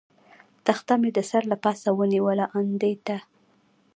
تخته مې د سر له پاسه ونیول، آن دې ته.